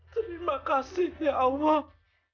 terima kasih ya allah